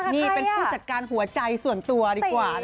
นี่เป็นผู้จัดการหัวใจส่วนตัวดีกว่า